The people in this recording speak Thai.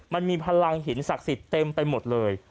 มันมีพลังหินศักดิ์สิทธิ์เต็มไปหมดเลย